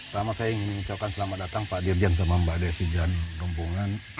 selamat saya ingin menyebutkan selamat datang pak dirjan sama mbak desi dan rumpungan